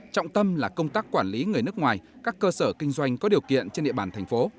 trọng tâm là công tác quản lý người nước ngoài các cơ sở kinh doanh có điều kiện trên địa bàn thành phố